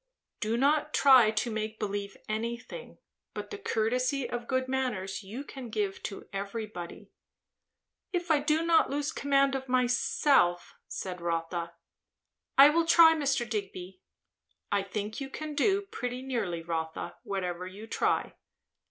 "Do not try to make believe anything. But the courtesy of good manners you can give to everybody." "If I do not lose command of myself," said Rotha. "I will try, Mr. Digby." "I think you can do, pretty nearly, Rotha, whatever you try."